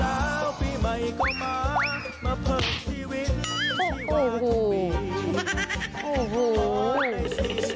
แล้วปีใหม่ก็มามาพบดีฟินที่ว่าทุกวันนี้